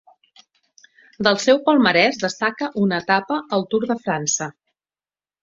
Del seu palmarès destaca una etapa al Tour de França.